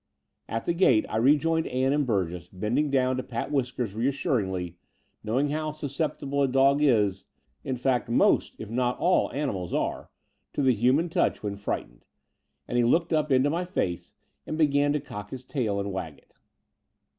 At the gate I rejoined Ann and Burgess, bending down to pat Whiskers reassuringly, knowing how susceptible a dog is — in fact most, if not all, ani mals are — to the human touch when frightened: and he looked up into my face and began again to cock his tail and wag it.